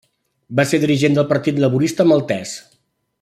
Va ser dirigent del Partit Laborista maltès.